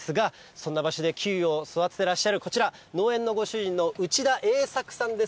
そんな場所でキウイを育ててらっしゃるこちら、農園のご主人の内田栄作さんです。